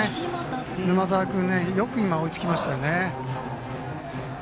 沼澤君よく今、追いつきましたよね。